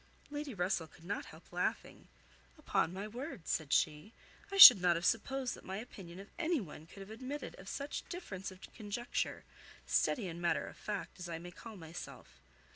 Lady Russell could not help laughing. "Upon my word," said she, "I should not have supposed that my opinion of any one could have admitted of such difference of conjecture, steady and matter of fact as I may call myself.